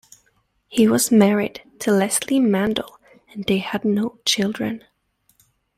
He was married to Leslie Mandel and they had no children.